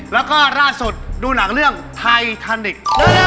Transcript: แล้วก็ล่าสุดดูหนังเรื่องไททานิก